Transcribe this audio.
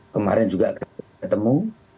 kemarin juga ketemu